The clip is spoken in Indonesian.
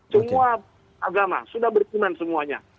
semua agama sudah berkuman semuanya